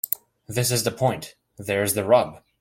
This is the point. There's the rub.